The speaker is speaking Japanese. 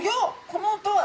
この音は！